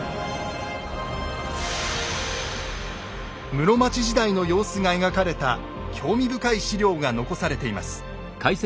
室町時代の様子が描かれた興味深い史料が残されています。